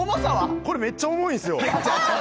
これめっちゃ重いんすよ。